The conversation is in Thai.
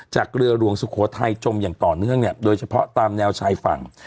จากเรือหลวงสุโขทัยจมอย่างต่อเนื่องเนี่ยโดยเฉพาะตามแนวชายฝั่ง